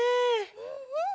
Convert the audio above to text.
うんうん。